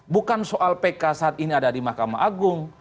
bukan soal pk saat ini ada di mahkamah agung